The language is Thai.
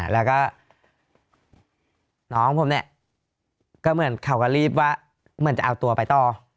แล้วก็น้องผมเนี่ยก็เหมือนเขาก็รีบว่าเหมือนจะเอาตัวไปต่อ